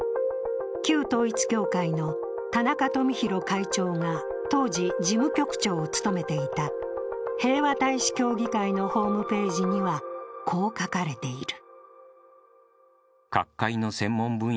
旧統一教会の田中富広会長が当時、事務局長を務めていた平和大使協議会のホームページには、こう書かれている。